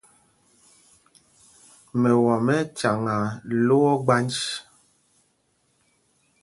Mɛwam ɛ́ ɛ́ cyaŋaa lō ogbanj.